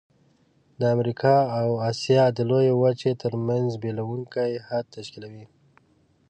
د امریکا او آسیا د لویې وچې ترمنځ بیلوونکی حد تشکیلوي.